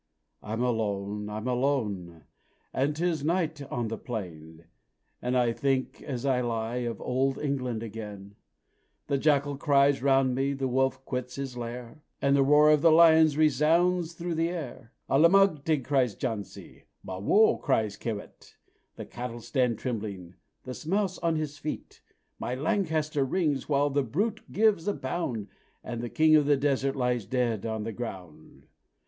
I'm alone I'm alone, and 'tis night on the plain And I think, as I lie, of old England again; The jackal cries round me, the wolf quits his lair, And the roar of the lion resounds through the air 'Alamagtig!' cries Jansi 'Ma wo!' cries Kewitt; The cattle stand trembling the Smouse on his feet. My 'Lancaster' rings, while the brute gives a bound, And the king of the desert lies dead on the ground!